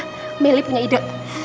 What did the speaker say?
nelly punya ide